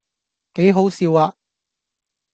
幾好笑呀